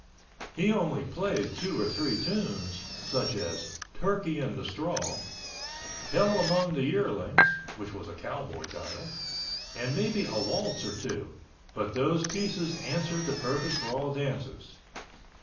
He only played two or three tunes, such as "Turkey in the Straw," "Hell Among the Yearlings" (which was a cowboy title) and maybe a waltz or two, but those pieces answered the purpose for all dances.